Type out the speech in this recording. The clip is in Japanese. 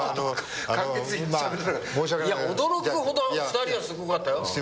驚くほど２人はすごかったよ。